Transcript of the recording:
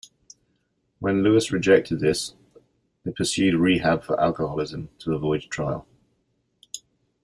When Lewis rejected this, they pursued rehab for alcoholism, to avoid trial.